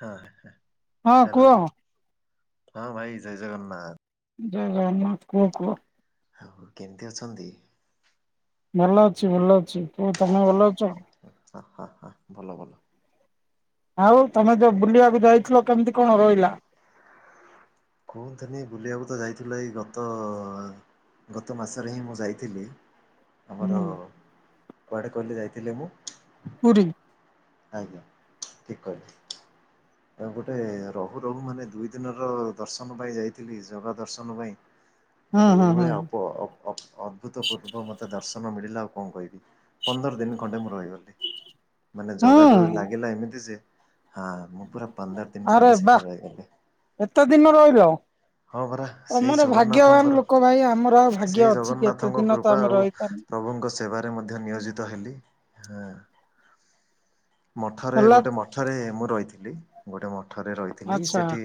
ହଁ ହଁ ହ୍ୟାଲୋ କୁହ ହଁ ଭାଇ ଜୟ ଜଗନ୍ନାଥ। [unintelligible] କୁହ କୁହ। ଆଉ କେମତି ଅଛନ୍ତି? ଭଲ ଅଛି ଭଲ ଅଛି ପୁଅ ତମେ ଭଲ ଅଛ? ହ ହ ହ ଭଲ ଭଲ। ଆଉ ତମେ ଯୋଉ ବୁଲିବାକୁ ଯାଇଥିଲ କେମିତି କଣ ରହିଲା? କୁହନ୍ତିିନି ବୁଲିବାକୁ ତ ଯାଇଥିଲ ଏଇ ଗତ ଗତ ମାସରେ ହିଁ ମୁଁ ଯାଇଥିଲି। ଆମର ହୁଁ କୁଆଡେ କହିଲେ ଯାଇଥିଲି ମୁଁ ପୁରୀ। ଆଜ୍ଞା ଠିକ କହିଲେ। ଗୋଟେ ରହୁ ରହୁ ମାନେ ଦୁଇ ଦିନର ଦର୍ଶନ ପାଇଁ ଯାଇଥିଲି ଜଗା ଦର୍ଶନ ପାଇଁ ହୁଁ ମାନେ ହୁଁ ଏଇଭଳିଆ ହୁଁ ଅପ ଅ ଅଦ୍ଭୁତପୂର୍ବ ଦର୍ଶନ ମିଳିଲା ଆଉ କଣ କହିବି ପନ୍ଦର ଦିନ ଖଣ୍ଡେ ମୁଁ ରହିଗଲି ମାନେ ଜଗାଡୋରି ହୁଁ ଲାଗ ଏମିତି ଯେ ହଁ ମୁଁ ପୁରା ପନ୍ଦର ଦିନ ଆରେ ଖଣ୍ଡେ ସେଠି ବାଃ ରହିଗଲି। ଏତେ ଦିନ ରହିଲ। ହଁ ପରା ସେଇ ତମର ଭାଗ୍ୟବାନ ଜଗନ୍ନାଥଙ୍କର ଲୋକ ଭାଇ ଆମର ଆଉ ଭାଗ୍ୟ ସେଇ ଅଛି କି ଏତେ ଜଗନ୍ନାଥଙ୍କ ଦିନ ତ କୃପା ଆମେ ଆଉ ରହିପା। ପ୍ରଭୁଙ୍କ ସେବା। ରେ ମଧ୍ୟ ନିୟୋଜିତ ହେଲି ମଠରେ ହେଲା ଗୋଟେ ମ ମଠରେ ମୁଁ ରହିଥିଲି ଗୋଟେ ମଠରେ ରହିଥିଲି ଆଚ୍ଛା ସେଠି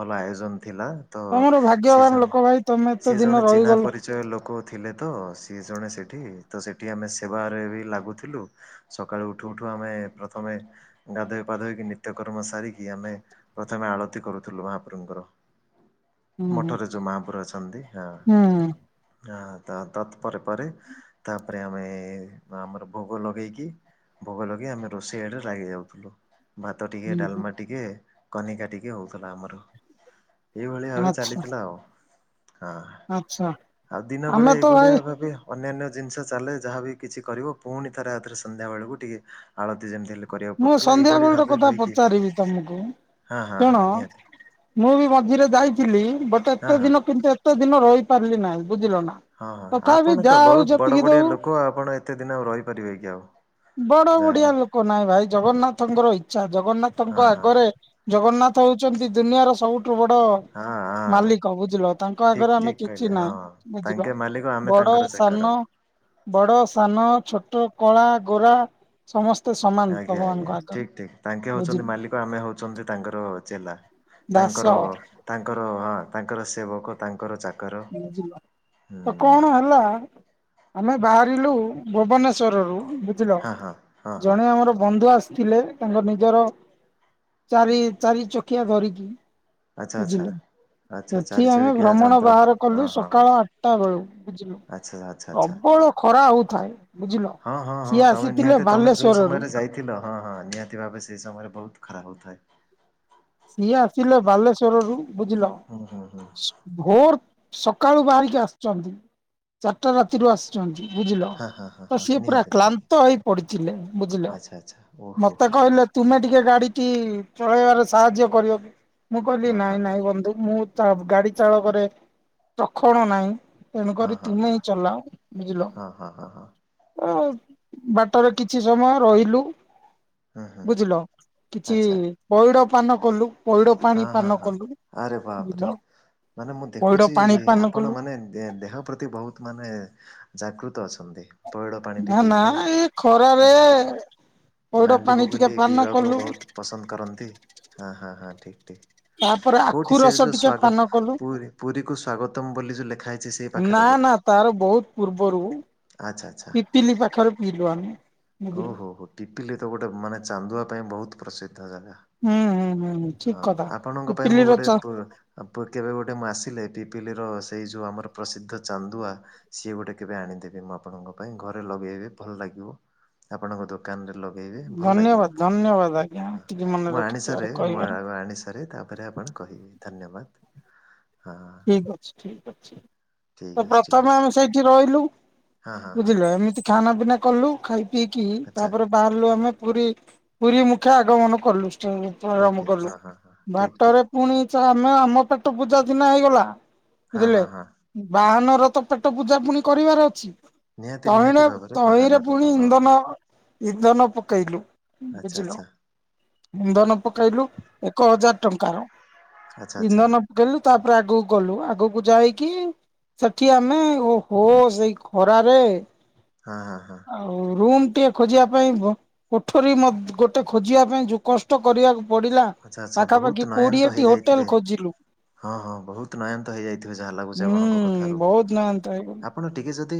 ଭଲ ଆୟୋଜନ ଥିଲା। ତ ତମର ସିଏ ଭାଗ୍ୟବାନ ଜଣେ ଲୋକ ଭାଇ ତମେ ଏତେ ସିଏ ଦିନ ଜଣେ ଚିହ୍ନା ରହିଗଲ। ପରି ଚ ଲୋକ ଥିଲେ ତ ସିଏ ଜଣେ ସେଇଠି ତ ସେଇଠି ଆମେ ସେବାରେ ବି ଲାଗୁଥିଲୁ। ସକାଳୁ ଉଠୁ ଉଠୁ ଆମେ ପ୍ରଥମେ ଗାଧୋଇ ପାଧୋଇକି ନିତ୍ୟକର୍ମ ସାରିକି ଆମେ ପ୍ରଥମେ ଆଳତି କରୁଥିଲୁ ମହାପ୍ରଭୁଙ୍କର। ହୁଁ ହୁଁ ମଠରେ ଯୋଉ ମହାପୁର ଅଛନ୍ତି ହଁ। ହୁଁ ହ ତତ୍ ପରେ ପରେ ତାପରେ ଆମେ ଆମର ଭୋଗ ଲଗେଇକି ଭୋଗ ଲଗେଇ ଆମେ ରୋଷେଇ ଆଡେ ଲାଗି ଯାଉଥିଲୁ। ଭାତ ଟିକେ ହୁଁ ହୁଁ ଡାଲମା ଟିକେ କନିକା ଟିକେ ହେଉଥିଲା ଆମର। ଏଇଭଳିଆ ଭାବେ ଆଚ୍ଛା ଚାଲିଥିଲା ଆଉ ହଁ ଆଚ୍ଛା ଆଉ ଦିନ ଆମେ ବେଳେ ତ ଭାଇ ଏଇଭଳିଆ ଭ ଭାବେ ଅନ୍ୟାନ୍ୟ ଜିନିଷ ଚାଲେ ଯାହାବି କିଛି କରିବ ପୁଣି ଥରେ ରାତିରେ ସନ୍ଧ୍ୟାବେଳକୁ ଟିକିଏ ଆଳତି ଯେମିତି ହେଲେ କରିବାକୁ ମୁଁ ପଡ଼ୁଥିଲା ସନ୍ଧ୍ୟା ଏଇଭଳି ବେଳର ଭାବେ କଥା ରହିକି ପଚାରିବି ତମକୁ ହଁ ହଁ ହଁ ଶୁଣ ନିହାତି। ମୁଁ ବି ମଝିରେ ଯାଇଥିଲି ବଟ ହଁ ଏତେ ହଁ। ଦିନ କିନ୍ତୁ ଏତେ ଦିନ ରହିପାରିଲି ନାହିଁ ବୁଝିଲ ନା। ହଁ ହଁ ତଥାପି ଆପଣ ତ ଯାହା ହଉ ବହୁତ ବଡ ଯେତିକି ବଡିିଆ ଦଉ ଲୋକ ଆପଣ ଏତେ ଦିନ ଆଉ ରହିପାରିବେ କି ଆଉ। ବଡ ଯାହାହେଲେ ବଡିିଆ ଲୋକ ନାହିଁ ଭାଇ ଜଗନ୍ନାଥଙ୍କର ଇଚ୍ଛା ହଁ ଜଗନ୍ନାଥଙ୍କ ହଁ ଆଗରେ ଜଗନ୍ନାଥ ହଉଛନ୍ତି ଦୁନିଆର ସବୁଠୁ ବଡ ହଁ ଅ ମାଲିକ ବୁଝିଲ ତାଙ୍କ ଆଗରେ ଆମେ କିଛି ହଁ ନାହିଁ ବୁଝିଲ ତାଙ୍କେ ମାଲିକ ଆମେ ବଡ ତାଙ୍କର ଚାକର। ସାନ। ବଡ଼, ସାନ, ଛୋଟ, କଳା, ଗୋରା ସମସ୍ତ ଆଜ୍ଞା ଆଜ୍ଞା ଠିକ ଠିକ ତାଙ୍କେ ହଉଛନ୍ତି ବୁଝିଲୁ ମାଲିକ ଆମେ ହଉଛନ୍ତି ତାଙ୍କର ଚେଲା। ଦାସ ତାଙ୍କର ତାଙ୍କର ତାଙ୍କର ସେବକ ତାଙ୍କର ଚା ତ କଣ ହେଲା ଆମେ ବାହାରିଲୁ ଭୁବନେଶ୍ୱରରୁ ବୁଝିଲ ହଁ ହଁ ହଁ ହଁ ଜଣେ ଆମର ବନ୍ଧୁ ଆସିଥିଲେ। ତାଙ୍କ ନିଜର ଚାରି ଚାରି ଚକିଆ ଧରିକି ଆଚ୍ଛା ଆଚ୍ଛା। ବୁଝିଲେ ଆଚ୍ଛା ଚାରି ସେଠି ଆମେ ଚକିଆ ଭ୍ରମଣ ଯନ୍ତ୍ର ହଁ ବାହାର ଗଲୁ ହଁ ହଁ ସକାଳ ଆଠଟା ବେଳୁ ବୁଝିଲୁ। ଆଚ୍ଛା ଆଚ୍ଛା ଆଚ୍ଛା। ପ୍ରବଳ ଖରା ହଉଥାଏ ବୁଝିଲ ହଁ ସିଏ ଆସିଥିଲେ ବାଲେଶ୍ଵର ରୁ ପାଇଥିଲ ହଁ ହଁ ନିହାତି ଭାବେ ସେଇ ସମୟରେ ବହୁତ ଖରାପ ହଉଥାଏ। ସିଏ ଆସିଲ ବାଲେଶ୍ଵର ରୁ ବୁଝିଲ। ହୁଁ ହୁଁ ହୁଁ ଭୋର ସକାଳୁ ବାହାରିକି ଆସୁଛନ୍ତି ଚାରିଟା ଆସିଛନ୍ତି ବୁଝିଲ ହଁ ହଁ ହଁ ତ ହଁ ସିଏ ପୁରା ନିହାତି ନିହାତି କ୍ଲାନ୍ତ ହେଇ ପଡିଥିଲେ ବୁଝିଲ। ଆଚ୍ଛା ଆଚ୍ଛା ଓହୋ ହୋ ମତେ ହୋ। କହିଲେ ତୁମେ ଟିକେ ଗାଡିଟି ଚଳେଇବାରେ ସାହାଯ୍ୟ କରିବ କି ମୁଁ କହିଲି ହଁ ନାଇଁ ହଁ। ନାଇଁ ବନ୍ଧୁ ମୁଁ ଗାଡି ଚାଳକରେ ପ୍ରଖଣ ନାହିଁ। ତେଣୁକରି ତୁମେ ହିଁ ଚଲା ବୁଝିଲ। ହଁ ବାଟରେ କିଛି ସମୟ ରହିଲୁ। ହୁଁ ହୁଁ ବୁଝିଲ କିଛି ଆଚ୍ଛା ପଇଡ ପାନ କଲୁ। ପଇଡ ପାଣି ହଁ ପାନ ହଁ ହଁ କଲୁ ଆରେ ବାପରେ। ବୁଝିଲ। ମାନେ ମୁଁ ପଇଡ ଦେଖୁଛି, ପାଣି ପାନ ଆପଣ କଲୁ ମାନେ ଦେହ ପ୍ରତି ବହୁତ୍ ମାନେ ଜାଗୃତ ଅଛନ୍ତି। ପଇଡ଼ ପାଣି ଟି ନା ନା ପିଇଲେ, ଏ ଖରାରେ ଆହା। ପଇଡ ଲାଣ୍ଡି ପାଣି ଟିକେ ବଗୁଲିି ପାନ ପିଇବାକୁ କଲୁ ବହୁତ ପସନ୍ଦ କରନ୍ତି, ହଁ ହଁ ହଁ ଠିକ ତାପରେ ଠିକ। ଆଖୁ କୋଉଠି ସେ ରସ ଯୋଉ ଟିକେ ସ୍ଵାଗ ପାନ କଲୁ। ପୁରୀ ପୁରୀ କୁ ସ୍ଵାଗତମ ବୋଲି ଯୋଉ ଲେଖା ହେଇଛି ସେଇ ନା ପାଖରେ ନା ବୋଧେ। ତାର ବହୁତ ପୂର୍ବରୁ ଆଚ୍ଛା ଆଚ୍ଛା ପିପିଲି ପାଖରେ ପିଇଲୁ ଆମେ, ହଉ ବୁଝିଲୁ। ହଉ ହଉ ପିପିଲି ତ ଗୋଟେ ମାନେ ଚାନ୍ଦୁଆ ପାଇଁ ବହୁତ ପ୍ରସିଦ୍ଧ ନା। ହୁଁ ହୁଁ ହୁଁ ହୁଁ ଠିକ ହଁ, କଥା। ଆପଣଙ୍କ ପାଇଁ ମୁଁ ପିପିଲିର ଗୋଟେ ଚା ପ ଅ ପ କେବେ ଗୋଟେ ମୁଁ ଆସିଲେ ପିପିଲିର ସେଇ ଯେଉଁ ଆମର ପ୍ରସିଦ୍ଧ ଚାନ୍ଦୁଆ ସିଏ ଗୋଟେ କେବେ ଆଣିଦେବି ମୁଁ ଆପଣଙ୍କ ପାଇଁ ଘରେ ଲଗେଇବେ ଭଲ ଲାଗିବ, ଆପଣଙ୍କ ତ କାନରେ ଲାଗେଇବେ ଭଲଲାଗିବ ଧନ୍ୟବାଦ ଆପଣଙ୍କୁ, ଧନ୍ୟବାଦ ଆଜ୍ଞା ହଁ ଏତିକି ମନେ ମୁଁ ରଖିଥିବାର ଆଣିସାରେ ମୁଁ ଆ କହିବାର। ଆ ଆଣି ସା ରେ ତାପରେ ଆପଣ କହିବେ, ଧନ୍ୟବାଦ୍। ଠିକ୍ ଅଛି ଠିକ ଅଛି, ଠିକ୍ ତ ଅଛି ଠିକ୍ ପ୍ରଥମେ ଅଛି ଆମେ ସେଇଠି ରହିଲୁ। ହଁ ହଁ ହଁ ବୁଝିଲେ ଏମିତି ଖାନା ପିନା କଲୁ, ଖାଇ ପିଇକି ଆଚ୍ଛା ତାପରେ ବାହାରିଲୁ ଆମେ ପୁରୀ ପୁରୀ ମୁଖେ ଆଗମନ କଲୁ। ଧରମ ଓକେ କଲୁ ହଁ ହଁ ହଁ ଠିକ୍ ବାଟରେ ଠିକ୍। ପୁଣି ଛା ଆମେ ଆମ ପେଟ ପୂଜା ସିନା ହେଇଗଲା, ହଁ ବୁଝିଲେ ହଁ ହଁ ବାହାନର ତ ପେଟ ପୂଜା ପୁଣି କରିବାର ଅଛି। ନିହାତି ନିହାତି ତହିଁଣ ଭାବରେ ତହିଁରେ ବାହାନର ପୁଣି ତ ହଁ। ଇନ୍ଧନ ଇନ୍ଧନ ପକେଇଲୁ। ଆଛା ବୁଝିଲ ଆଚ୍ଛା। ଇନ୍ଧନ ପକେଇଲୁ ଏକ ହଜାର ଟଙ୍କାର, ଆଚ୍ଛା ଆଚ୍ଛା ଇନ୍ଧନ ପକେଇଲୁ ତା ପ ତା ଆଗକୁ ଗଲୁ, ଆଗକୁ ଯାଇକି ସେଠି ଆମେ, ଓହୋ ସେଇ ଖରାରେ ହାଁ ହାଁ ହାଁ। ଆଉ ରୁମ୍ ଟିଏ ଖୋଜିବା ପାଇଁ ବ କୋଠରୀ ମତ୍ ଗୋଟେ ଖୋଜିବା ପାଇଁ ଯୋଉ କଷ୍ଟ କରିବାକୁ ପଡିଲା। ଆଚ୍ଛା ଆଚ୍ଛା ପାଖାପାଖି ବହୁତ ନୟାନ୍ତ କୋଡିଏଟି ହୋଟେଲ ହେଇଯାଇଥିବେ। ଖୋଜିଲୁ ହଁ ହଁ ବହୁତ୍ ନୟାନ୍ତ ହେଇଯାଇଥିବେ ଯାହା ଲାଗୁଚି ହୁଁ ଆପଣଙ୍କ କଥାରୁ। ଆପ ବହୁତ ନାହାନ୍ତ ହେଇଗଲୁ ଆପଣ ଟିକିଏ ଯଦି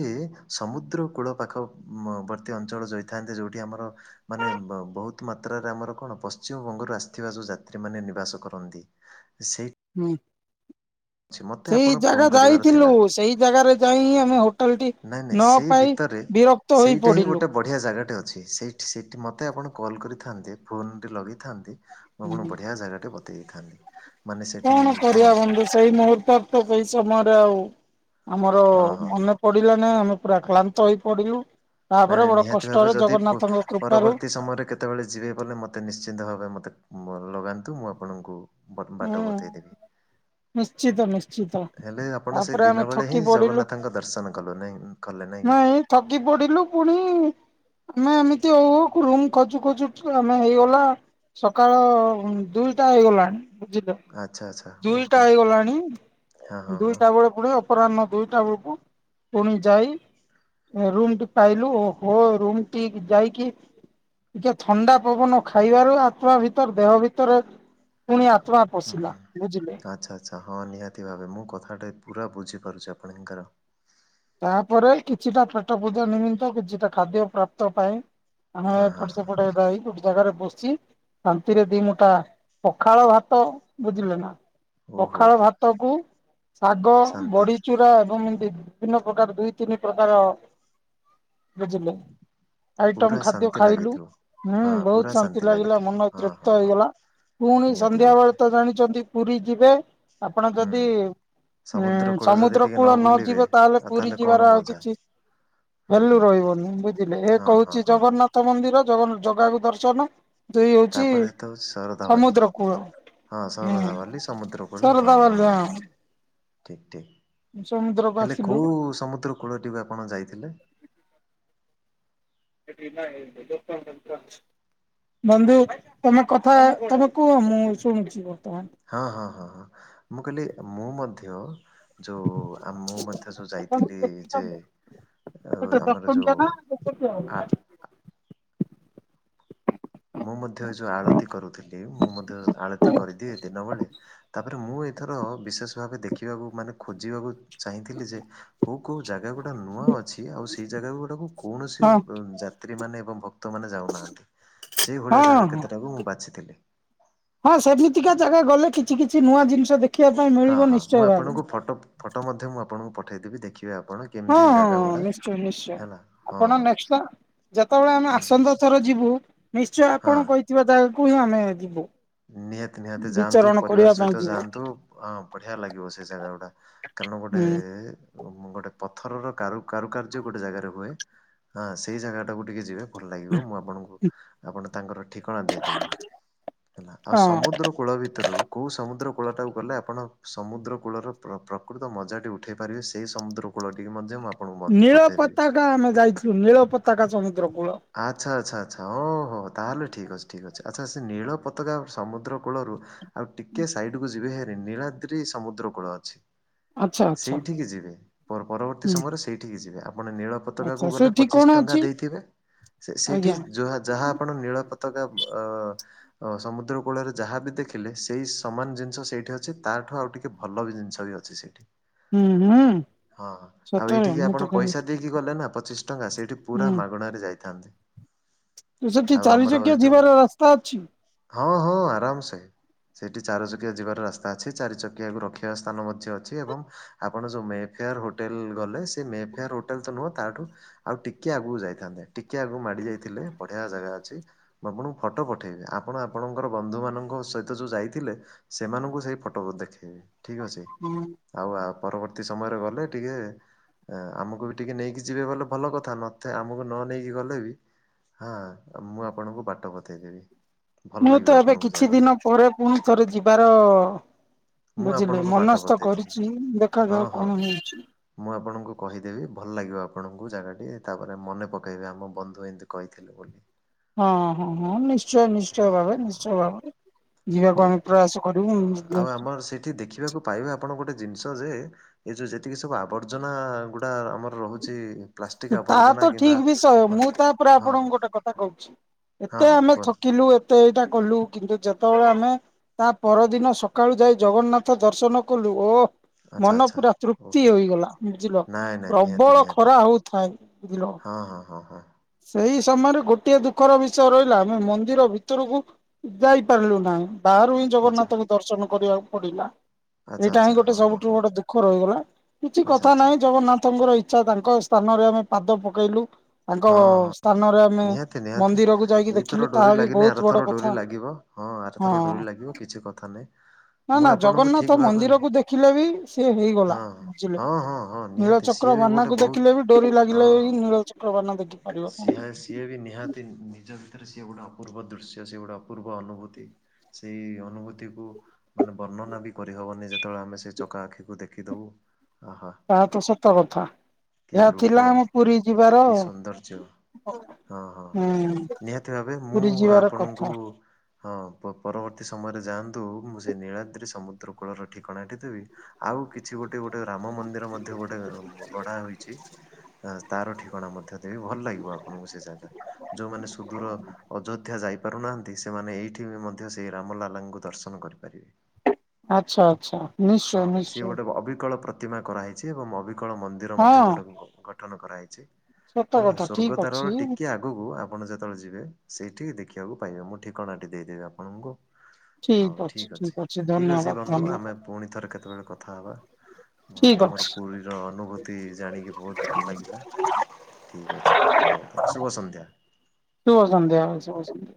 ସମୁଦ୍ର କୂଳ ପାଖ ମ ବର୍ତ୍ତୀ ଅଞ୍ଚଳ ଯାଇଥାନ୍ତେ ଯେଉଁଠି ଆମର ମାନେ ବହୁତ ମାତ୍ରାରେ ଆମର କଣ ପଶ୍ଚିମବଙ୍ଗରୁ ଆସ୍ ଥିବା ଯଉ ଯାତ୍ରୀ ମାନେ ନିବାସ କରନ୍ତି। ସେ ହୁଁ। ସେଇ ଆପଣ ଫୋନ୍ ଜାଗା କରିବାର ଯାଇଥିଲୁ, ଥିଲା ସେଇ ଜାଗାରେ ଯାଇ ଆମେ ହୋଟ୍ ହଟଲଟି ନାଇଁ ନାଇଁ ନ ସେଇ ପାଇ ଭିତରେ ବିରକ୍ତ ହୋଇ ସେଇଟା ହିଁ ଗୋଟେ ପଡିଲୁ। ବଢ଼ିଆ ଜାଗାଟେ ଅଛି, ସେଇଠି ସେଇଠି ମୋତେ ଆପଣ କଲ୍ କରିଥାନ୍ତେ ଫୋନଟି ଲଗେଇଥାନ୍ତେ ମୁଁ ଆପଣଙ୍କୁ ବଢିଆ ଜାଗା ଟେ ବତେଇ ଦେଇ ଥାଆନ୍ତି। କଣ କରିଆ ବନ୍ଧୁ ସେଇ ମୁହୂର୍ତ୍ତରେ ତ ସେଇ ସମୟରେ ଆଉ ଆମର ହଁ ହଁ ହଁ। ମନ ପଡିଲାନାଇ ଆମେ ପୁରା ଆକ୍ଲାନ୍ତ ହେଇ ପଡିଲୁ। ତାପରେ ନାଇ ବଡ ନିହାତି ଭାବେ କଷ୍ଟରେ ଯଦି ପ ଜଗନ୍ନାଥଙ୍କ କୃପାରୁ ପରବର୍ତ୍ତୀ ସମୟରେ କେତ୍ କେତେବେଳେ ଯିବେ ଗଲେ ମୋତେ ନିଶ୍ଚିନ୍ତ ଭାବେ ମୋତେ ମ ଲଗାନ୍ତୁ ମୁଁ ଆପଣଙ୍କୁ [unintelligible] ହୁଁ ବାଟ ବତେଇଦେବି। ନିଶ୍ଚିତ ନିଶ୍ଚିତ ହେଲେ ଆପଣ ସେଇ ତାପରେ ଆମେ ଦିନ ବେଳେ ଥକି ହିଁ ପଡିଲୁ। ଜଗନ୍ନାଥଙ୍କର ଦର୍ଶନ କଲ ନାହିଁ କଲେ ନାହିଁ କି? ନାଇଁ ଥକି ପଡିଲୁ ପୁଣି ଆମେ ଏମିତି ହଉ ହଉ ରୁମ ଖୋଜୁ ଖୋଜୁ ଆମେ ହେଇଗଲା ସକାଳ ଦୁଇଟା ହେଇଗଲାଣି। ବୁଝିଲ ଆଚ୍ଛା ଆଚ୍ଛା ଓକେ ଦୁଇଟା ଓକେ ହେଇଗଲାଣି, ହଁ ହଁ ହଁ ଦୁଇଟା ଗୋଡ ପୁରା ଅପରାହ୍ନ ଦୁଇଟା ବେଳକୁ ପୁଣି ଯାଇ ଓ ରୁମ ଟି ପାଇଲୁ ହୋ ରୁମ ଟିକ ଯାଇକି ଟିକିଏ ଥଣ୍ଡା ପବନ ଖାଇବାରୁ ଆତ୍ମା ଭିତରେ ଦେହ ଭିତରେ ପୁଣି ଆତ୍ମା ହୁଁ ପଶିଲା ହୁଁ ବୁଝିଲେ ଆଚ୍ଛା ଆଚ୍ଛା ହଁ ନିହାତି ଭାବେ ମୁଁ କଥାଟାଏ ପୁରା ବୁଝିପାରୁଛି ଆପଣଙ୍କର। ତାପରେ କିଛିଟା ପେଟ ପୂଜା ନିମିତ କିଛିଟା ଖାଦ୍ୟ ପ୍ରାପ୍ତ ପାଇଁ ଆମେ ହଁ ହଁ ଏପଟ ହଁ। ସେପଟ ହେବାବି ଜାଗାରେ ବସି ଶାନ୍ତିରେ ଦି ମୁଠା ପଖାଳ ଭାତ ବୁଝିଲେ ନା। ଓହୋ ପଖାଳ ଭାତ କୁ ଶାଗ ଶାନ୍ତି ବଡିଚୁରା ଏବଂ ଏମତି ବିଭିନ୍ନ ପ୍ରକାର ଦୁଇ ତିନି ପ୍ରକାର ବୁଝିଲେ। ଆଇଟମ ପୁରା ଖାଦ୍ୟ ଶାନ୍ତି ଖାଇଲୁ ଲାଗିଥିବ। ହୁଁ ହଁ ପୁରା ବହୁତ ଶାନ୍ତି ଲାଗିଲା ଲାଗିଥିବ ମନ ହଁ ହଁ ତୃପ୍ତ ହଁ ହେଇଗଲା। ପୁଣି ନିହାତି ସନ୍ଧ୍ୟା ବେଳେ ଭାବରେ ତ ଜାଣିଛନ୍ତି ପୁରୀ ଯିବେ। ଆପଣ ଯଦି ହୁଁ। ଉଁ ସମୁଦ୍ର କୂଳ ଯଦି ସମୁଦ୍ର ଟିକେ କୂଳ ନ ବୁଲିବେ ଯିବେ। ତାହେଲେ ଆଉ ପୁରୀ ତାହେଲେ କଣ ଯିବାର ଆଉ ମଜା କିଛି ହୁଁ ଭ୍ୟାଲୁ ହୁଁ ରହିବନି ବୁଝିଲେ ଏ ହଁ ହଁ କହୁଛି ହଁ ଜଗନ୍ ଗନ୍ନାଥ ମନ୍ଦିର ଜଗନ ଜଗାକୁ ଦର୍ଶନ। ଦୁଇ ହଉଛି ତାପରେ ଏତ ହେଉଛି ଶରଧାବାଲି। ସମୁଦ୍ର କୂଳ ହଁ ହୁଁ ସରଧାବାଲି ସମୁଦ୍ରକୁଳ ହଁ ହଁ ଠିକ ଠିକ। ସମୁଦ୍ରକୁ ହେଲେ ଆସିଲୁ କୋଉ ସମୁଦ୍ର କୂଳଟିକୁ ଆପଣ ଯାଇଥିଲେ? ଏଠ ବି ନା ହେ ଲୋକ କେ [unintelligible] ବନ୍ଧୁ ତମେ କଥା ତମେ କୁହ ମୁଁ ଶୁଣୁଛି ବର୍ତ୍ତମାନ। ହଁ ହଁ ହଁ ହଁ ମୁଁ କହିଲି ମୁଁ ମଧ୍ୟ ଯୋଉ ଆ ମୁଁ ମଧ୍ୟ ଯୋଉ ଯାଇଥିଲି ଯେ ଆ କେତେ ଦଶ ଆମର ଟଙ୍କିଆ ଯୋଉ ନା କେତେ ଟଙ୍କିଆ? ଆ ମୁଁ ମଧ୍ୟ ଏ ଯୋଉ ଆଳତି କରୁଥିଲି ମୁଁ ମଧ୍ୟ ଆଳତି କରିଦିଏ ଦିନବେଳେ। ତାପରେ ମୁଁ ଏଥର ବିଶେଷ ଭାବେ ଦେଖିବାକୁ ମାନେ ଖୋଜିବାକୁ ଚାହିଁଥିଲି ଯେ କୋଉ କୋଉ ଜାଗା ଗୁଡା ନୂଆ ଅଛି। ଆଉ ସେହି ଜାଗା ଗୁଡ଼ାକୁ କୌଣସି ହଁ ଉଁ ଯାତ୍ରୀମାନେ ଏବଂ ଭକ୍ତମାନେ ଯାଉନାହାନ୍ତି। ସେଇଭଳିଆ ହଁ ଜାଗା ହଁ କେତେଟାକୁ ମୁଁ ବାଛିଥିଲି। ହଁ ସେମିତିକା ଜାଗା ଗଲେ କିଛି କିଛି ନୂଆ ଜିନିଷ ଦେଖିବା ପାଇଁ ହଁ ମିଳିବ ହଁ ନିଶ୍ଚୟ ମୁଁ ଭାବେ। ଆପଣଙ୍କୁ ଫଟୋ ଫଟୋ ମଧ୍ୟ ମୁଁ ଆପଣଙ୍କୁ ପଠେଇଦେବି ଦେଖିବେ ଆପଣେ। ହଁ ହଁ ନିଶ୍ଚୟ ନିଶ୍ଚୟ। ହଁ ଆପଣ ହଁ ନେଷ୍ଟ ଟା ଯେତେବଳେ ଆମେ ହୁଁ, ଆସନ୍ଦ ଥର ଯିବୁ ନିଶ୍ଚୟ ହଁ। ଆପଣ କହି ଥିବେ ତାଙ୍କୁ ହିଁ ଆମେ ଯିବୁ। ନିହାତି ନିହାତି ଯାଆନ୍ତୁ ବିଚରଣ ପରିବାର କରିବା ପାଇଁ ସହିତ ଯିବୁ ଯାଆନ୍ତୁ ହଁ ବଢିଆ ଲାଗିବ ସେ ଜାଗା ଗୁଡା। କାରଣ ଗୋଟେ ହୁଁ ଉ ମ ଗୋଟେ ପଥରର କାରୁ କାରୁକାର୍ଯ୍ୟ ଗୋଟେ ଜାଗାରେ ହୁଏ ହଁ ସେଇ ଜାଗାଟାକୁ ଟିକେ ଯିବେ। ଭଲ ଲାଗିବ ମୁଁ ଆପଣଙ୍କୁ ଆପଣ ତାଙ୍କର ଠିକଣା ଦେଇଦେବି। ହେଲା ଆଉ ହଁ ସମୁଦ୍ର କୂଳ ଭିତ ଭିତରୁ କୋଉ ସମୁଦ୍ର କୂଳ ଟାକୁ ଗଲେ ଆପଣ ସମୁଦ୍ର କୂଳର ପ୍ର ପ୍ରକୃତ ମଜା ଟି ଉଠେଇ ପାରିବେ ସେଇ ସମୁଦ୍ର କୂଳଟିକି ମଧ୍ୟ ମୁ ଆପ ନୀଳ ପତାକା ଆମେ ଯାଇଥିଲୁ ନୀଳ ପତାକା ସମୁଦ୍ର କୂଳ। ଆଚ୍ଛା ଆଚ୍ଛା ଆଚ୍ଛା ଓହୋ ତାହେଲେ ଠିକ୍ ଅଛି ଠିକ୍ ଅଛି ଆଚ୍ଛା ସେ ନୀଳ ପତ ନୀଳ ପତାକା ସମୁଦ୍ର କୂଳରୁ ଆଉ ଟିକେ ସାଇଡ କୁ ଯିବେ ହେରି ନୀଳାଦ୍ରୀ ସମୁଦ୍ର କୂଳ ଅଛି। ଆଚ୍ଛା ଆଚ୍ଛା ସେଇଠିକି ଯିବେ ପର ପରବର୍ତ୍ତୀ ହୁଁ ସମୟରେ ସେଇଠିକି ଯିବେ ଆପଣ ନୀଳ ଆଚ୍ଛା ପତକାକୁ ଗଲେ ସେଠି କଣ ପଚିଶି ଟଙ୍କା ଅଛି ଦେଇଥିବେ ସେ ସେଇଠି ଆଜ୍ଞା ଜୁହା ଯାହା ଆପଣ ନୀଳ ପତାକା ଅ ଅ ହଁ ସମୁଦ୍ର କୂଳରେ ଯାହା ବିି ଦେଖିଲେ ସେଇ ସମାନ ଜିନିଷ ସେଇଠି ଅଛି ତାଠୁ ଆଉ ଟିକିଏ ଭଲ ବି ଜିନିଷ ବି ଅଛି। ସେଇଠି ହୁଁ ହୁଁ ହଁ ହଁ ଆଉ ସତରେ ଏଇଠିକି ମୁଁ ତ ଆପଣ କହିଲି ପଇସା ଦେଇ କି ଗଲେ ନା ପଚିଶ ଟଙ୍କା ସେଇଠି ପୁରା ହୁଁ ମାଗଣାରେ ଯାଇଥାନ୍ତେ। ସେଠି ଆଉ ଚାରି ଆମର ଏ ଚକିଆ ଯୋଉ ଯିବାର ରାସ୍ତା ଅଛି? ହଁ ହଁ ଆରାମ ସେ। ସେଇଠି ଚାର ଚକିଆ ଯିବାର ରାସ୍ତା ଅଛି ଚାରି ଚକିଆକୁ ରଖିବା ସ୍ଥାନ ମଧ୍ୟ ଅଛି ଏବଂ ଆପଣ ଯୋଉ ମେହଫେୟାର୍ ହୋଟେଲ୍ ଗଲେ ସେ ମେହଫେୟାର୍ ହୋଟେଲ୍ ତ ନୁହଁ ତାଠୁ ଆଉ ଟିକେ ଆଗକୁ ଯାଇଥାନ୍ତେ ଟିକେ ଆଗକୁ ମାଡି ଯାଇଥିଲେ ବଢିଆ ଜାଗା ଅଛି। ମୁଁ ଆପଣଙ୍କୁ ଫଟୋ ପଠେଇବି। ଆପଣ ଆପଣଙ୍କର ବନ୍ଧୁମାନଙ୍କ ସହିତ ଯୋଉ ଯାଇଥିଲେ ସେମାନଙ୍କୁ ସେଇ ଫଟୋ ଦେଖାଇବେ ଠିକ୍ ଅଛି। ହୁଁ। ଆଉ ଆ ପରବର୍ତ୍ତୀ ସମୟରେ ଗଲେ ଟିକେ ଆମକୁ ବି ଟିକେ ନେଇକି ଯିବେ ଗଲେ ଭଲ କଥା ନଥେ ଆମକୁ ନ ନେଇକି ଗଲେ ବି ହଁ ମୁଁ ଆପଣଙ୍କୁ ବାଟ ବତେଇ ଦେବି। ମୁଁ ତ ଏବେ କିଛି ଦିନ ପରେ ପୁଣି ଥରେ ଯିବାର ମୁଁ ବୁଝିଲେ ଆପଣଙ୍କୁ ବାଟ ମନସ୍ଥ ବତେଇଥିବି କରିଛି ହଁ ଦେଖାଯାଉ ହଁ। କଣ ହେଉଛି। ମୁଁ ଆପଣଙ୍କୁ କହିଦେବି ଭଲ ଲାଗିବ ଆପଣଙ୍କୁ ଜାଗାଟିଏ, ତାପରେ ମନେ ପକାଇବେ ଆମ ବନ୍ଧୁ ଏମିତି କହି ଥିଲେ ବୋଲି। ହଁ ହଁ ହଁ ନିଶ୍ଚ ଶ୍ଚୟ ନିଶ୍ଚୟ ହଁ ହଁ ଭାବରେ ହଁ ନିଶ୍ଚୟ ହଁ ଭାବରେ ଯିବାକୁ ଆମେ ପ୍ରୟାସ କରିବୁ। ଏଠି ଦେଖିବାକୁ ପାଇବେ ଆପଣ ଗୋଟେ ଜିନିଷ ଯେ ଏଇ ଯୋଉ ଯେତିକି ସବୁ ଆବର୍ଜନା ଗୁଡା ଆମର ରହୁଛି। ପ୍ଲାଷ୍ଟିକ ତାହା ଆବର୍ଜନା ତ କିମ୍ବା ଠିକ ବିଷୟ ଅନ୍ୟ ମୁଁ ତାପରେ ହଁ ଆପଣଙ୍କୁ ଗୋଟେ କଥା କହୁଛି? ହଁ ଏତେ ହଁ ଆମେ କୁହନ୍ତୁ ଥକିଲୁ ଏତେ ଏଇଟା କଲୁ କିନ୍ତୁ ଯେତେବେଳେ ଆମେ ତା ପରଦିନ ସକାଳୁ ଯାଇ ଜଗନ୍ନାଥ ଦର୍ଶନ କଲୁ ଓଃ। ଆଚ୍ଛା ମନ ଆଚ୍ଛା ପୁରା ତୃପ୍ତି ଓହୋ। ହୋଇଗଲା ବୁଝିଲ ନାଇଁ ନାଇଁ ନିହାତି ପ୍ରବଳ ନିହାତି ଖରା ହଉଥାଏ ବୁଝିଲ। ହଁ। ହଁ ହଁ ହଁ ହଁ। ସେଇ ସମୟରେ ଗୋଟଏ ଦୁଃଖର ବିଷୟ ରହିଲା ଆମେ ମନ୍ଦିର ଭିତରକୁ ଯାଇପାରିଲୁ ନାହିଁ, ବାହାରୁ ହିଁ ଆଚ୍ଛା ଜଗନ୍ନାଥଙ୍କ ଦର୍ଶନ କରିବାକୁ ପଡିଲା। ଆଚ୍ଛା ଏଇଟା ଆଚ୍ଛା ହିଁ ଗୋଟେ ହଁ ହଁ ସବୁଠୁ ହଁ। ବଡ ଦୁଃଖ ରହିଗଲା କିଛି ଆଚ୍ଛା କଥା ଆଚ୍ଛା ନାହିଁ ଜଗନ୍ନାଥଙ୍କର ଇ ଚ୍ଛା ତାଙ୍କ ସ୍ଥାନରେ ଆମେ ପାଦ ପକେଇଲୁ। ତାଙ୍କ ହଁ ହଁ ହଁ ସ୍ଥାନରେ ଆମେ ନିହାତି ନିହାତି ମନ୍ଦିରକୁ ଯାଇକି ଦେଖିଲୁ ଏଇଥର ତାହା ଡୋରି ବି ଲାଗିନି ବହୁତ ଆର ବଡ ଥର କଥା ଡୋରି ଲାଗିବ। ହଁ ଆରଥର ଡୋରି ଲାଗିବ କିଛି କଥା ନାହିଁ। ନା ମୁଁ ନା ଆପଣଙ୍କୁ ଜଗନ୍ନାଥ ଠିକ ଭାବେ ମନ୍ଦିର କୁ ଦେଖିଲେ ବି ସେ ହେଇଗଲା ହଁ ବୁଝିଲେ, ହଁ ହଁ ହଁ ନୀଳ ନିହାତି ସିଏ ବି ଚକ୍ରବାନା ଗୋଟେ କୁ ବହୁତ ଦେଖିଲେ ବି ଡୋରି ଲାଗିଲେ ହି ନୀଳ ଚକ୍ରବାନା ଦେଖି ସିହାଷ ସିଏ ବି ନିହାତି ନିଜ ଭିତରେ ସିଏ ଗୋଟେ ଅପୂର୍ବ ଦୃଶ୍ୟ, ସିଏ ଗୋଟେ ଅପୂର୍ବ ଅନୁଭୂତି। ସେଇ ଅନୁଭୂତିକୁୁ ମାନେ ବର୍ଣ୍ଣନା ବି କରିହବନି ଯେତେବେଳେ ଆମେ ସେ ଚକା ଆଖିକୁ ଦେଖିଦବୁ। ଆହା ତାହା ତ ସତ କଥା କି ଏହା ରୂପ ଥିଲା ଆମ ପୁରୀ ଯିବାର କି ସୌନ୍ଦର୍ଯ୍ୟ ହଁ ହଁ ହଁ ହୁଁ ନିହାତି ଭାବେ ମୁଁ ପୁରୀ ଯିବାର ଆପଣଙ୍କୁ କଥା। ହଁ ପରବର୍ତ୍ତୀ ସମୟରେ ଯାଆନ୍ତୁ ମୁଁ ସେ ନୀଳାଦ୍ରି ସମୁଦ୍ର କୂଳର ଠିକଣାଟି ଦେବି। ଆଉ କିଛି କିଛି ଗୋଟେ ଗୋଟେ ରାମ ମନ୍ଦିର ମଧ୍ୟ ଗୋଟେ ଗଢା ହୋଇଛି ତାର ଠିକଣା ମଧ୍ୟ ଭଲ ଲାଗିବ ଆପଣଙ୍କୁ ସେ ଜାଗା, ଯୋଉମାନେ ସୁଦୂର ଅଯୋଧ୍ୟା ଯାଇପାରୁନାହାନ୍ତି ସେମାନେ ଏଇଠି ବି ମଧ୍ୟ ସେଇ ରାମଲାଲାଙ୍କୁ ଦର୍ଶନ କରିପାରିବେ। ଆଚ୍ଛା ଆଚ୍ଛା ହଁ ନିଶ୍ଚୟ ହଁ ସିଏ ନିଶ୍ଚୟ ଗୋଟେ ଅବିକଳ ପ୍ର ପ୍ରତିମା କରା ଯାଇଛି ଏବଂ ଅବିକଳ ମନ୍ଦିର ମଧ୍ୟ ହଁ ଗୋଟେକୁ ଗଠନ କରାଯାଇଛି। ସତ ହେଲା କଥା ଠିକ ଅଛି। ସ୍ୱର୍ଗଦ୍ୱାର ଟିକେ ଆ ଆଗକୁ ଆପଣ ଯେତେବେଳେ ଯିବେ ସେଇଠି ଦେଖିବାକୁ ପାଇବେ ମୁଁ ଠିକଣାଟି ଦେଇଦେବି ଆପଣଙ୍କୁ। ହଉ ଠିକ ଅଛି ଠିକ ଅଛି ବନ୍ଧୁ ଆମେ ପୁଣି ଥରେ କେତେବେଳେ କଥା ହବା। ହଁ ଠିକ ତମର ଅଛି ପୁରୀର ଅନୁଭୂତି ଜାଣିକି ବହୁତ ଭଲ ଲାଗିଲା। ଠିକ ଅଛି ହଉ ତାହେଲେ ଶୁଭ ସନ୍ଧ୍ୟା। ଶୁଭ ସନ୍ଧ୍ୟା ଶୁଭ ସନ୍ଧ୍ୟା।